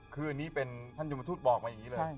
คืออันนี้เป็นท่านยมทูตบอกมาอย่างนี้เลย